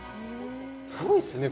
すごいっすね